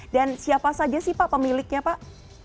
dan siapa saja sih pak pemiliknya pak